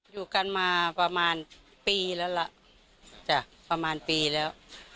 อยู่กันมาประมาณปีแล้วล่ะจ้ะประมาณปีแล้ว